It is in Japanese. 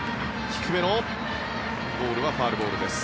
低めのボールはファウルボールです。